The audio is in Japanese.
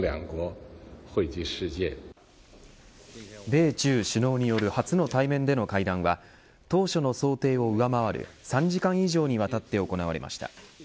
米中首脳による初の対面での会談は当初の想定を上回る３時間以上にわたって行われました。